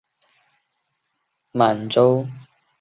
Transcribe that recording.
满洲平腹蛛为平腹蛛科平腹蛛属的动物。